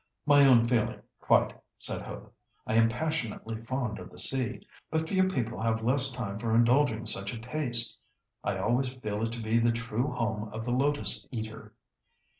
"My own feeling, quite," said Hope. "I am passionately fond of the sea, but few people have less time for indulging such a taste. I always feel it to be the true home of the lotus eater.